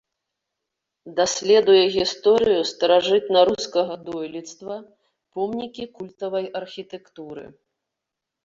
Даследуе гісторыю старажытнарускага дойлідства, помнікі культавай архітэктуры.